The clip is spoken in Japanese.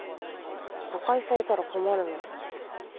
誤解されたら困るので。